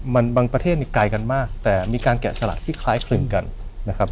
มันบางประเทศไกลกันมากแต่มีการแกะสลักที่คล้ายคลึงกันนะครับ